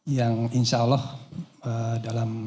yang insyaallah dalam